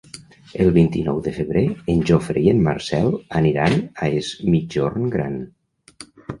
El vint-i-nou de febrer en Jofre i en Marcel aniran a Es Migjorn Gran.